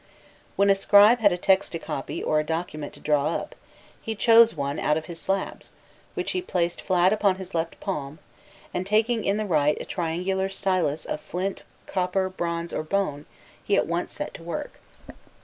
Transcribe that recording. When a scribe had a text to copy or a document to draw up, he chose out one of his slabs, which he placed flat upon his left palm, and taking in the right hand a triangular stylus of flint, copper, bronze, or bone, he at once set to work.